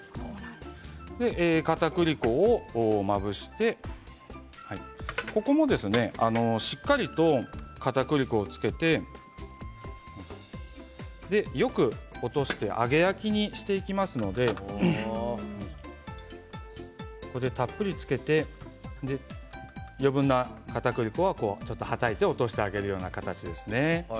かたくり粉をまぶしてここもしっかりとかたくり粉を付けてよく落として揚げ焼きにしていきますのでこれでたっぷり付けて余分なかたくり粉はちょっとはたいて落としてあげるような形ですね。